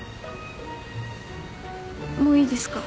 もういいですか？